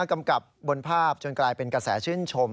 กำกับบนภาพจนกลายเป็นกระแสชื่นชม